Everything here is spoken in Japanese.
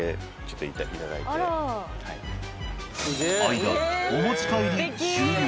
相田お持ち帰り終了。